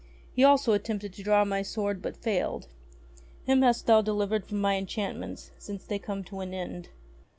He also attempted to draw my sword but failed. Him hast thou delivered from my enchantments since they come to an end."